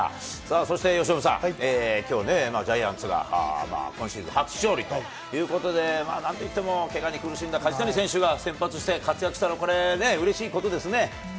そして、由伸さん、きょうね、ジャイアンツが今シーズン初勝利ということで、なんといってもけがに苦しんだ梶谷選手が先発して活躍したのは、そうですね。